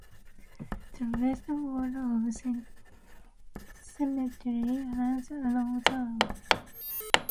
The west wall of the cemetery runs along the road.